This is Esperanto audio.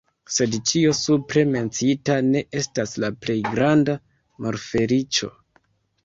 Sed ĉio supre menciita ne estas la plej granda malfeliĉo.